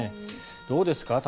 どうですか？